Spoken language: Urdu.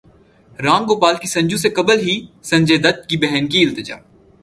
رام گوپال کی سنجو سے قبل ہی سنجے دت کی بہن کی التجا